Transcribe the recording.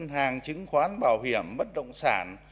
các mặt hàng trứng khoán bảo hiểm bất động sản